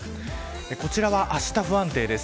こちらは、あした不安定です。